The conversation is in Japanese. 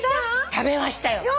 食べましたよ。